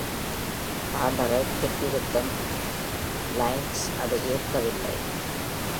"Harder"-ரைப் பெற்றிருக்கும் Lynch அதை ஏற்கவில்லை.